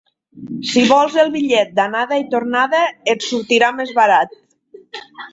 Si vols el bitllet d'anada i tornada, et sortirà més barat.